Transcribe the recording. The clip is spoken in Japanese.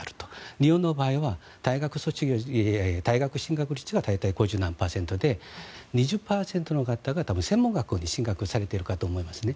日本の場合は、大学進学率が大体五十何パーセントで２０％の方々は多分、専門学校に進学されているかと思いますね。